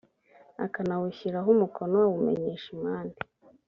akanawushyiraho umukono awumenyesha impande